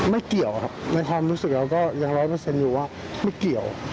ไม่เกี่ยวครับในความรู้สึกเราก็ยังร้อยเปอร์เซ็นต์อยู่ว่าไม่เกี่ยว